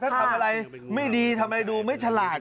ถ้าทำอะไรไม่ดีทำอะไรดูไม่ฉลาด